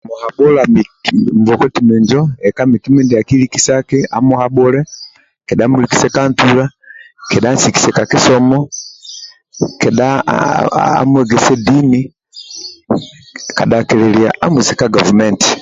Nikimuhabhula miki mbokoti minjo eka mindiaki likisaki amuhabhule kedha amulikise ka ntula kedha ansikise ka kisomo kedha amuegese aaaa dinini kadhakililia amuise ka gavumenti